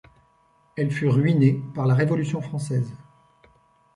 Elle fut ruinée par la Révolution française.